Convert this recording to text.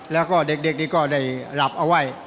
แล้วก็เด็กนี้ก็ได้หลับเอาไว้